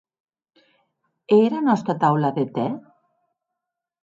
E era nòsta taula de tè?